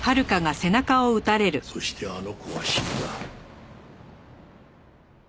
そしてあの子は死んだ。